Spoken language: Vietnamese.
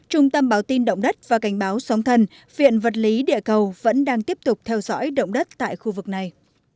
trung tâm báo tin động đất và cảnh báo sóng thần viện vật lý địa cầu vẫn đang tiếp tục theo dõi động đất tại khu vực này